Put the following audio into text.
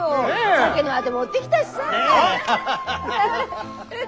酒のあて持ってきたしさ。